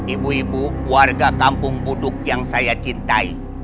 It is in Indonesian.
ibu ibu warga kampung buduk yang saya cintai